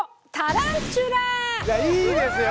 いやいいですよ！